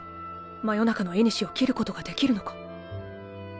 魔夜中の縁を斬ることが出来るのか？